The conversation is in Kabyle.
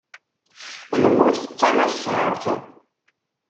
Lmut d tamassaṛt.